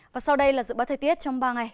và sau đây là dự báo thời tiết trong ba ngày